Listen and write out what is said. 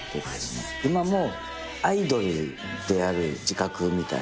今もアイドルである自覚みたいなの。